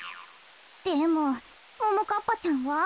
でもももかっぱちゃんは？